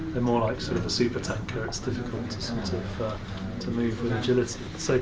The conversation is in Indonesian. dan mereka lebih seperti sebuah super tanker yang sulit untuk bergerak dengan kemampuan agilitas